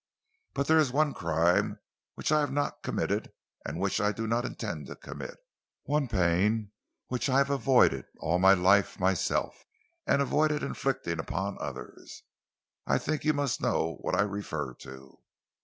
But there is one crime which I have not committed and which I do not intend to commit, one pain which I have avoided all my life myself, and avoided inflicting upon others. I think you must know what I refer to."